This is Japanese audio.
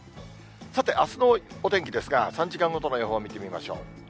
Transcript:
さて、あすのお天気ですが、３時間ごとの予報を見てみましょう。